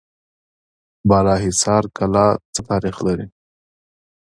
بالاحصار کلا څه تاریخ لري؟